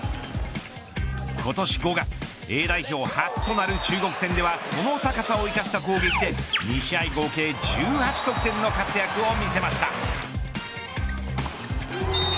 今年５月Ａ代表初となる中国戦ではその高さを生かした攻撃で２試合合計１８得点の活躍を見せました。